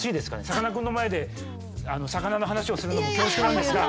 さかなクンの前で魚の話をするのも恐縮なんですが。